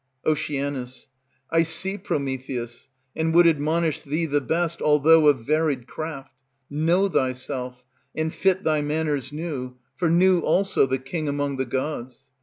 Oc. I see, Prometheus, and would admonish Thee the best, although of varied craft. Know thyself, and fit thy manners New; for new also the king among the gods.